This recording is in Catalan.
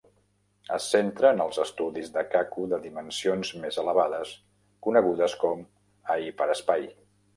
Es centra en els estudis de Kaku de dimensions més elevades conegudes com a hiperespai.